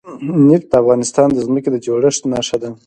نفت د افغانستان د ځمکې د جوړښت نښه ده.